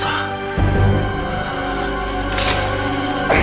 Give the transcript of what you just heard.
menjadi manusia biasa